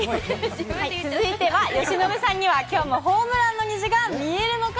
続いては、由伸さんにはきょうもホームランの虹が見えるのか。